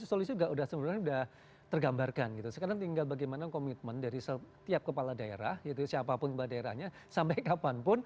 solusinya juga sebenarnya solusinya gak udah tergambarkan gitu sekarang tinggal bagaimana komitmen dari setiap kepala daerah gitu siapapun kepala daerahnya sampai kapan